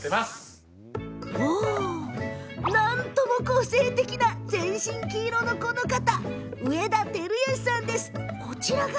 なんとも個性的な全身黄色のこのお方植田輝義さんです。